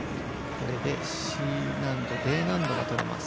これでＣ難度、Ｄ難度がとれます。